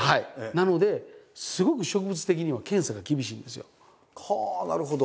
なのですごく植物的には検査が厳しいんですよ。はあなるほど。